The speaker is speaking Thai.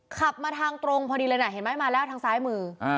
ขับมาทางตรงพอดีเลยน่ะเห็นไหมมาแล้วทางซ้ายมือ